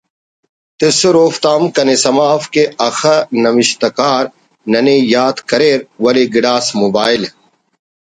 تسر اوفتا ہم کنے سما اف کہ اخہ نوشتکار ننے یات کریر ولے گڑاس موبائل